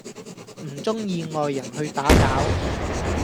唔鍾意外人去打攪